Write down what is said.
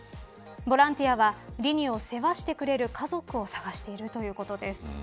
ボランティアはリニを世話してくれる家族を探しているということです。